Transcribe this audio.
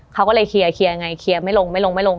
เขาก็เลยเคลียร์เคลียร์ยังไงเคลียร์ไม่ลงไม่ลงไม่ลง